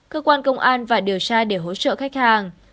cơ quan công an và điều tra để hỗ trợ khách hàng